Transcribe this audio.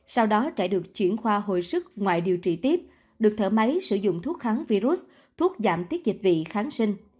sau đó trẻ được chuyển khoa hồi sức ngoại điều trị tiếp được thở máy sử dụng thuốc kháng virus thuốc giảm tiết dịch vị kháng sinh